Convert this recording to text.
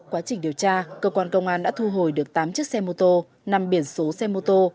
quá trình điều tra cơ quan công an đã thu hồi được tám chiếc xe mô tô năm biển số xe mô tô